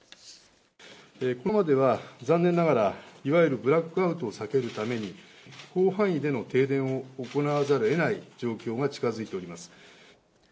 このままでは残念ながら、いわゆるブラックアウトを避けるために、広範囲での停電を行わざるをえない状況が近づいております。